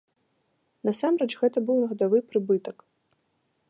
Насамрэч гэта быў гадавы прыбытак.